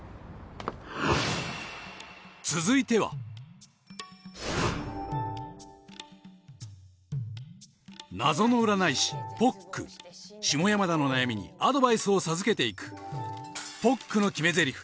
続いては謎の占い師ＰＯＣ下山田の悩みにアドバイスを授けていくＰＯＣの決めぜりふ